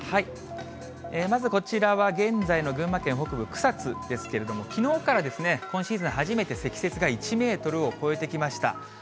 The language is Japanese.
まずこちらは現在の群馬県北部、草津ですけれども、きのうから今シーズン初めて積雪が１メートルを超えてきました。